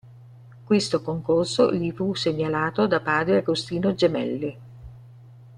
Questo concorso gli fu segnalato da Padre Agostino Gemelli.